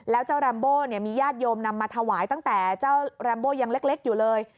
แล้วเจ้าแรมโบมีญาติโยมนำมาถวายตั้งแต่เจ้าแรมโบยังเล็กอยู่เลย